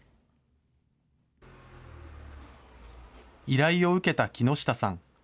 依頼を受けた木下さん。